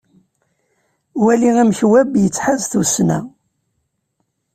Wali amek web yettḥaz tussna.